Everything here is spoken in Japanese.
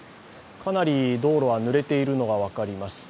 かなり道路はぬれているのが分かります。